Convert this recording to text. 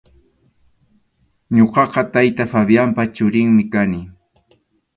Ñuqaqa tayta Fabianpa churinmi kani.